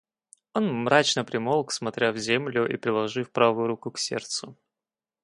Он мрачно примолк, смотря в землю и приложив правую руку к сердцу.